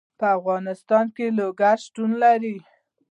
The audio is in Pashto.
په افغانستان کې لوگر شتون لري.